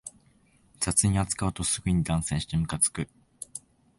雑に扱うとすぐに断線してムカつく